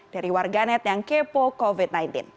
dari warga net yang kepo covid sembilan belas